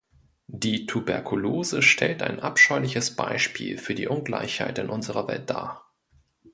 Die Tuberkulose stellt ein abscheuliches Beispiel für die Ungleichheit in unserer Welt dar.